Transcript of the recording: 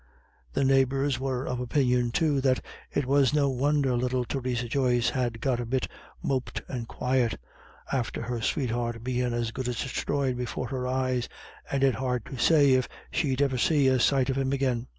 The neighbours were of opinion, too, that "it was no wonder little Theresa Joyce had got a bit moped and quiet, after her sweetheart bein' as good as destroyed before her eyes, and it hard to say if she'd ever see a sight of him again."